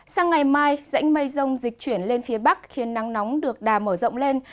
sang ngày mai rãnh mây rông dịch chuyển lên phía bắc khiến nắng nóng được đà mở rộng lên